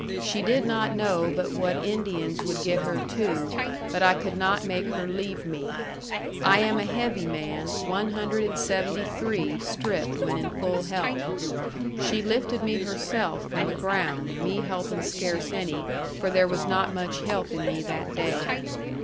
She did not know but what Indians would get her too but I could not make her leave me. I am a heavy man one hundred and seventy three stripped when in full health. She lifted me herself from the ground me helping scarce any for there was not much help in me that day.